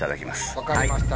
分かりました。